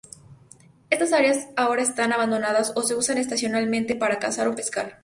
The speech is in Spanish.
Estas áreas ahora están abandonadas o se usan estacionalmente para cazar o pescar.